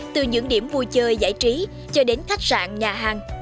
từ những điểm vui chơi giải trí cho đến khách sạn nhà hàng